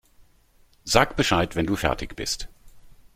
Sag Bescheid, wenn du fertig bist.